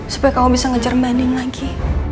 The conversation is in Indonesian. supaya kamu bisa ngejar banding lagi